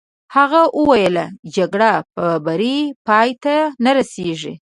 هغه وویل: جګړه په بري پای ته نه رسېږي.